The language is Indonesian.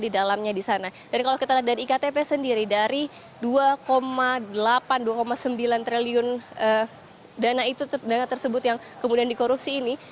dan kalau kita lihat dari iktp sendiri dari dua delapan dua sembilan triliun dana tersebut yang kemudian dikorupsi ini